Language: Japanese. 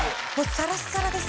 サラッサラです。